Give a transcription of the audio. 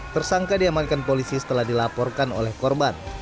tersangka diamankan polisi setelah dilaporkan oleh korban